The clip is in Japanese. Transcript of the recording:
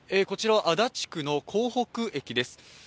こちら足立区の江北駅です。